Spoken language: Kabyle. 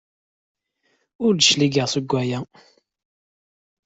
Ur d-cligeɣ seg waya!